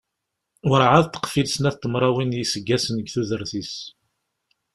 Warɛad teqfil snat n tmerwin n yiseggasen deg tudert-is.